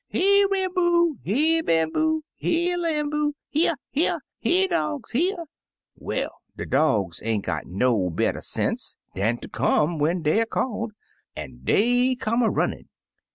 "'Here, Ram boo! here. Bamboo! here, Lamboo — here, here! Here, dogs, here!' Well, de dogs ain't got no better sense dan ter come when 73 Uncle Remus Returns deyer called, an' dey come a ninnin'.